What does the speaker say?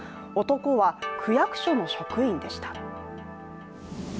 男は区役所の職員でした。